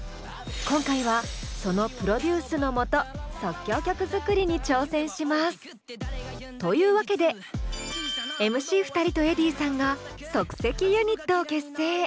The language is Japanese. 今回はそのプロデュースのもと即興曲作りに挑戦します！というわけでＭＣ２人とｅｄｈｉｉｉさんが即席ユニットを結成！